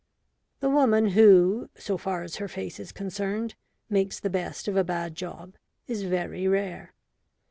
The woman who, so far as her face is concerned, makes the best of a bad job, is very rare.